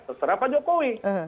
terserah pak jokowi